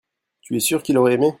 tu es sûr qu'il aurait aimé.